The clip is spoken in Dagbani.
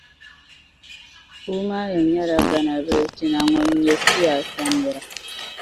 Puumaya nyɛla Gana bilichina ŋun ny siyaasa nira.